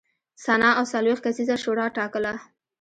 سنا او څلوېښت کسیزه شورا ټاکله.